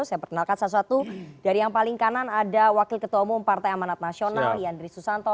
saya perkenalkan satu satu dari yang paling kanan ada wakil ketua umum partai amanat nasional yandri susanto